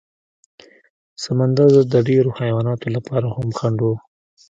سمندر د ډېرو حیواناتو لپاره هم خنډ و.